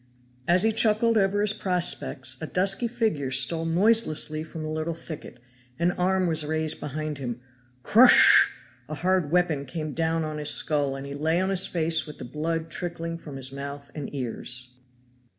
As he chuckled over his prospects a dusky figure stole noiselessly from a little thicket an arm was raised behind him crosssh! a hard weapon came down on his skull, and he lay on his face with the blood trickling from his mouth and ears.